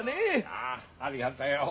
ああありがとよ。